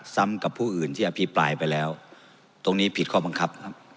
กับผู้อื่นที่อภิปรายไปแล้วตรงนี้ผิดข้อบังคับครับ